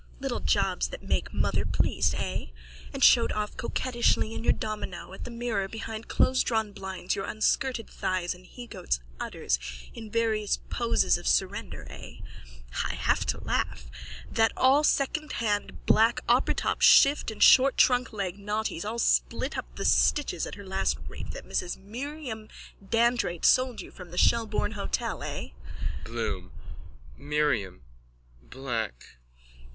_ Little jobs that make mother pleased, eh? And showed off coquettishly in your domino at the mirror behind closedrawn blinds your unskirted thighs and hegoat's udders in various poses of surrender, eh? Ho! ho! I have to laugh! That secondhand black operatop shift and short trunkleg naughties all split up the stitches at her last rape that Mrs Miriam Dandrade sold you from the Shelbourne hotel, eh? BLOOM: Miriam. Black.